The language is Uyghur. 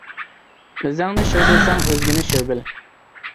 ئۆزۈڭنى شىر بىلسەڭ، ئۆزگىنى شىر بىل.